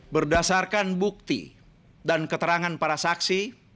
berdasarkan bukti dan keterangan para saksi